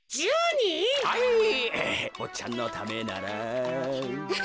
ぼっちゃんのためなら。